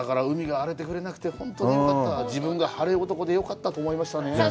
海が荒れてくれなくて、本当によかった、自分が晴れ男でよかったと思いましたね。